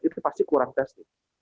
itu pasti kurang testing